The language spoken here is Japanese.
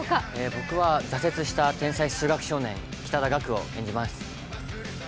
僕は挫折した夢破れた天才数学少年北田岳を演じます。